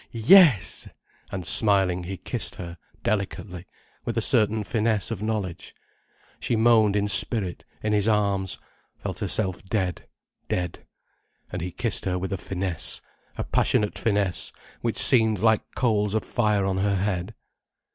Yes!" And smiling, he kissed her, delicately, with a certain finesse of knowledge. She moaned in spirit, in his arms, felt herself dead, dead. And he kissed her with a finesse, a passionate finesse which seemed like coals of fire on her head.